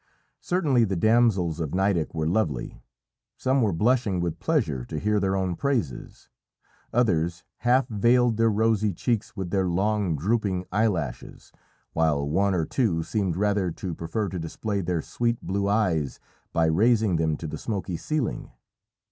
Certainly the damsels of Nideck were lovely. Some were blushing with pleasure to hear their own praises; others half veiled their rosy cheeks with their long drooping eyelashes, while one or two seemed rather to prefer to display their, sweet blue eyes by raising them to the smoky ceiling.